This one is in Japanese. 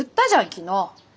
昨日。